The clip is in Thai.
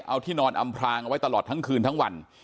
เอาที่นอนอำพรางเอาไว้ตลอดทั้งคืนทั้งวัน